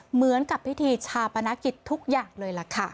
เหมือนกับพิธีชาปนกิจทุกอย่างเลยล่ะค่ะ